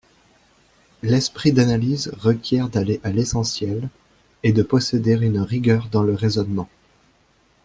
L'esprit d'analyse requiert d'aller à l'essentiel, et de posséder une rigueur dans le raisonnement.